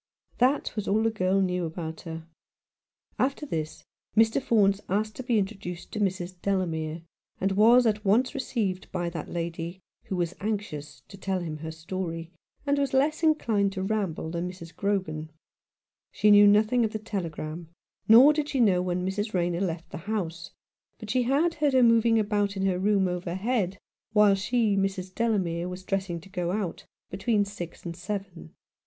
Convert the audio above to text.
That was all the girl knew about her. After this Mr. Faunce asked to be introduced to Mrs. Delamere, and was at once received by that lady, who was anxious to tell him her story, and was less inclined to ramble than Mrs. Grogan. She knew nothing of the telegram, nor did she know when Mrs. Rayner left the house, but she had heard her moving about in her room overhead 99 Rough Justice* while she, Mrs. Delamere, was dressing to go out, between six and seven.